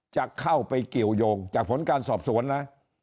จะเข้าไปเกี่ยวยงจากผลการสอบสวนนะ